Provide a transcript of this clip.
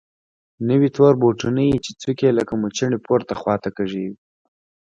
نوي تور بوټونه يې چې څوکې يې لکه موچڼې پورته خوا کږې وې.